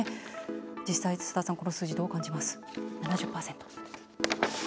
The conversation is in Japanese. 実際、佐田さん、この数値どう思います？